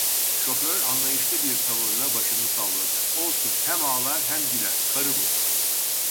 Şoför, anlayışlı bir tavırla başını salladı: "Olsun… Hem ağlar, hem güler… Karı bu…"